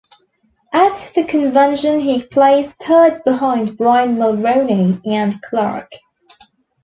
At the convention he placed third behind Brian Mulroney and Clark.